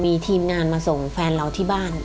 มีทีมงานมาส่งแฟนเราที่บ้าน